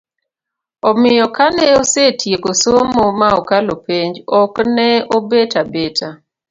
omiyo kane osetieko somo ma okalo penj, ok ne obet abeta